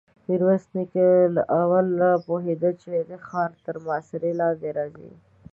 ميرويس نيکه له اوله پوهېده چې ښار تر محاصرې لاندې راځي.